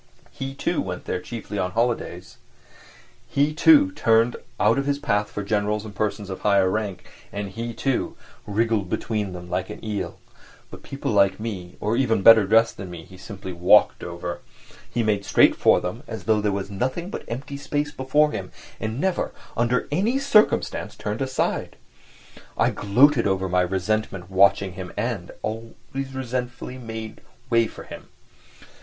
He, too, went there chiefly on holidays, He, too, turned out of his path for generals and persons of high rank, and he too, wriggled between them like an eel; but people, like me, or even better dressed than me, he simply walked over; he made straight for them as though there was nothing but empty space before him, and never, under any circumstances, turned aside. I gloated over my resentment watching him and ... always resentfully made way for him.